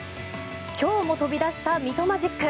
今日も飛び出したミトマジック。